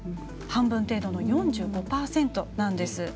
半分程度の４５％なんです。